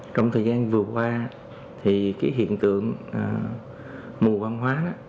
trong thời gian vừa qua thì cái hiện tượng mùa văn hóa